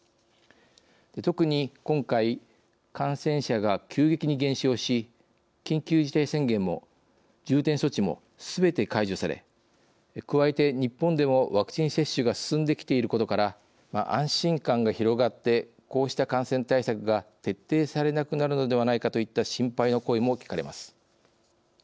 特に今回、感染者が急激に減少し緊急事態宣言も重点措置もすべて解除され加えて、日本でもワクチン接種が進んできていることから安心感が広がってこうした感染対策が徹底されなくなるのではないかといった心配の声も聞かれます。